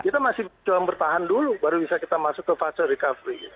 kita masih coba bertahan dulu baru bisa kita masuk ke fase recovery